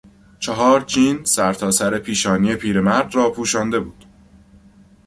چهار چین سرتاسر پیشانی پیرمرد را پوشانده بود.